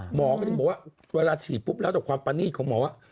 หมอก็ถึงบอกว่าเวลาฉีดปุ๊บแล้วแต่ความประนีตของหมอว่า